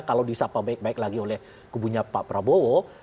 kalau disapa baik baik lagi oleh kubunya pak prabowo